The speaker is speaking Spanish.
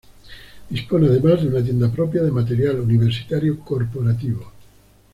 Dispone además de una tienda propia de material universitario corporativo.